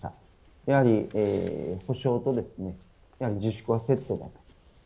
やはり、保障と自粛はセットであると。